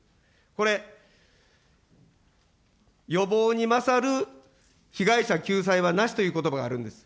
これ、予防に勝る被害者救済はなしということばがあるんです。